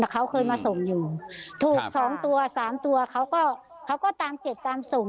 แต่เขาเคยมาส่งอยู่ถูกสองตัวสามตัวเขาก็เขาก็ตามเก็บตามส่ง